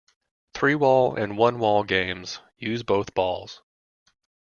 Three-wall and one-wall games use both balls.